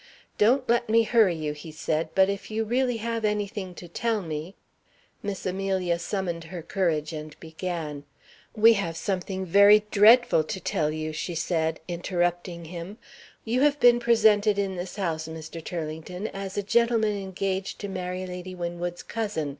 "Don't let me hurry you," he said, "but if you really have anything to tell me " Miss Amelia summoned her courage, and began. "We have something very dreadful to tell you," she said, interrupting him. "You have been presented in this house, Mr. Turlington, as a gentleman engaged to marry Lady Winwood's cousin.